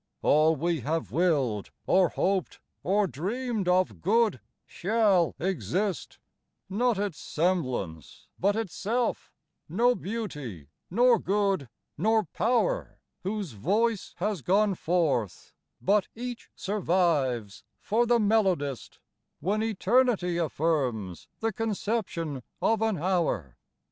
All we have willed, or hoped, or dreamed of good, shall exist ; Not its semblance, but itself, no beauty, nor good, nor power, Whose voice has gone forth, but each sur vives for the melodist, When eternity affirms the conception of an hour.